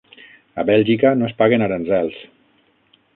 A Bèlgica no es paguen aranzels